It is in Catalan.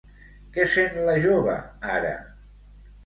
Què sent la jove ara?